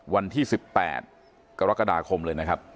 วันที่๑๘กรกฎาคมเลยนะครับ